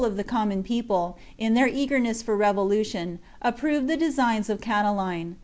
of the common people, in their eagerness for rev lution, approved the designs of Catiline.